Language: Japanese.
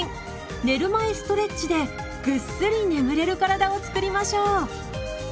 寝る前ストレッチでぐっすり眠れる体を作りましょう。